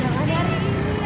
kalau besok rika yang omong